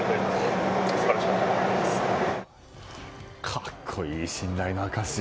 格好いい、信頼の証し。